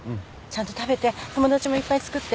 ちゃんと食べて友達もいっぱいつくって。